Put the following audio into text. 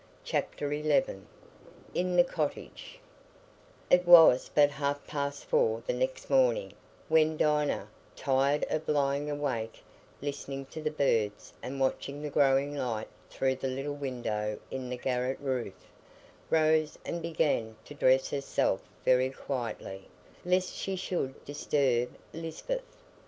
Chapter XI In the Cottage It was but half past four the next morning when Dinah, tired of lying awake listening to the birds and watching the growing light through the little window in the garret roof, rose and began to dress herself very quietly, lest she should disturb Lisbeth.